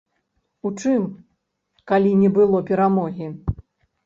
У чым, калі не было перамогі?